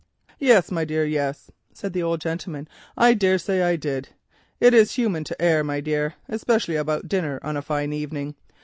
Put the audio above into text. "Yes, my dear, yes," said the old gentleman, "I dare say I did. It is human to err, my dear, especially about dinner on a fine evening.